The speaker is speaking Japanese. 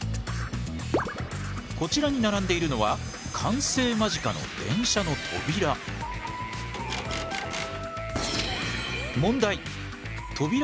こちらに並んでいるのは完成間近の電車の扉。